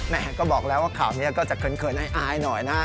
แม่ก็บอกแล้วว่าข่าวนี้ก็จะเขินอายหน่อยนะฮะ